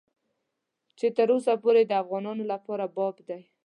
چې تر اوسه پورې د افغانانو لپاره باب دی.